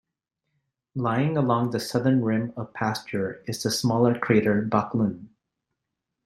Lying along the southern rim of Pasteur is the smaller crater Backlund.